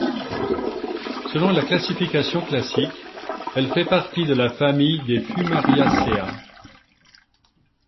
Selon la classification classique, elle fait partie de la famille des Fumariaceae.